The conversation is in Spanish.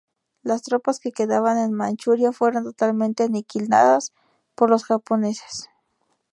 Las tropas que quedaban en Manchuria fueron totalmente aniquiladas por los japoneses.